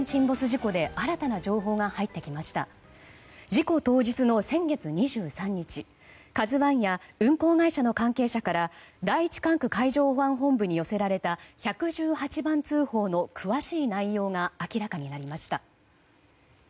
事故当日の先月２３日「ＫＡＺＵ１」や運航会社の関係者から第１管区海上保安本部に寄せられた１１８番通報の詳しい内容が明らかになりました。